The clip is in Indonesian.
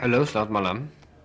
halo selamat malam